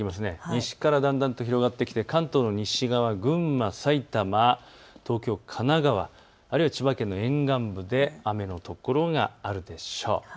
西からだんだんと広がってきて関東の西側、群馬、埼玉、東京、神奈川、あるいは千葉県の沿岸部で雨の所があるでしょう。